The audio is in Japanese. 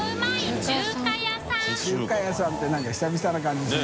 淵劵蹈漾中華屋さんって何か久々な感じする。